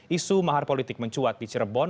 isu mahar politik mencuat di cirebon